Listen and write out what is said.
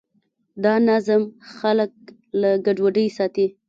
دا نظم خلک له ګډوډۍ ساتي.